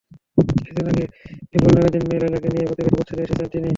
কিছুদিন আগে পিপল ম্যাগাজিনে মেয়ে লায়লাকে নিয়ে পত্রিকাটির প্রচ্ছদেও এসেছেন তিনি।